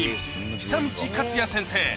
久道勝也先生